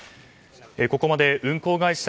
ここまで運航会社